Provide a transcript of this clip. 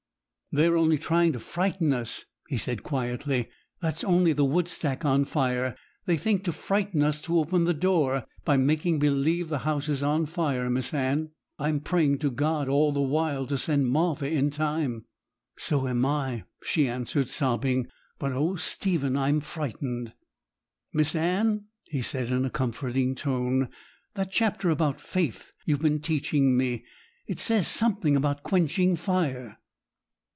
'They're only trying to frighten us,' he said quietly; 'that's only the wood stack on fire. They think to frighten us to open the door, by making believe that the house is on fire. Miss Anne, I'm praying to God all the while to send Martha in time.' 'So am I,' she answered, sobbing; 'but oh, Stephen, I am frightened.' 'Miss Anne,' he said, in a comforting tone, 'that chapter about faith you've been teaching me, it says something about quenching fire.'